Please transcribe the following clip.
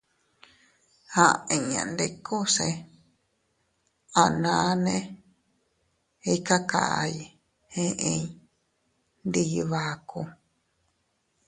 Aʼa inña ndikuse a naane ikakay eʼey ndi Iybaku.